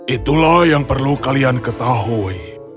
itulah yang perlu kalian ketahui